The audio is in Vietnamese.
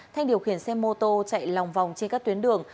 thanh điều khiển xe mô tô chạy lòng vòng trên các tuyến đường